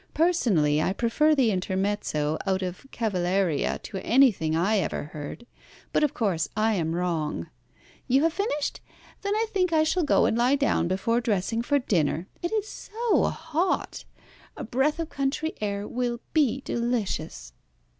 Personally, I prefer the Intermezzo out of 'Cavalleria' to anything I ever heard, but of course I am wrong. You have finished? Then I think I shall go and lie down before dressing for dinner. It is so hot. A breath of country air will be delicious."